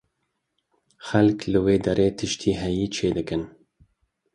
Xelk li wê derê tiştê heyî çêdikin.